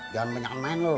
jangan banyak main lu